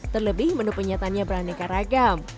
terlebih menu penyatannya beraneka ragam